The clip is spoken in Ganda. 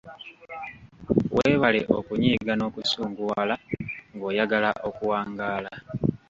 Weewale okunyiiga n’okusunguwala ng’oyagala okuwangaala.